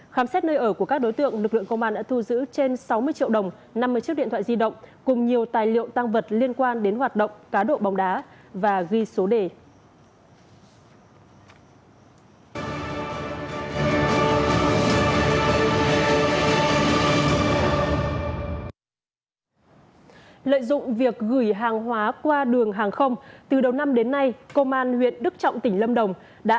khám xét nơi ở của các đối tượng lực lượng công an đã thu giữ trên sáu mươi triệu đồng